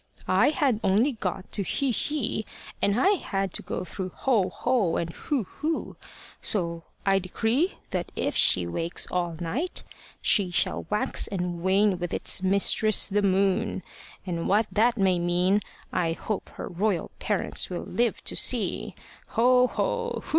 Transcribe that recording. "I had only got to Hi, hi! and I had to go through Ho, ho! and Hu, hu! So I decree that if she wakes all night she shall wax and wane with its mistress, the moon. And what that may mean I hope her royal parents will live to see. Ho, ho!